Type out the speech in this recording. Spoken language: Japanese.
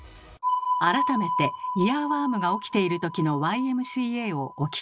改めてイヤーワームが起きているときの「Ｙ．Ｍ．Ｃ．Ａ．」をお聞き下さい。